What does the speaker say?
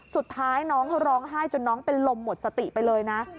สุดท้ายน้องเขาร้องไห้จนน้องเป็นลมหมดสติไปเลยนะ